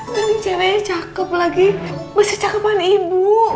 kang ceweknya cakep lagi masih cakepan ibu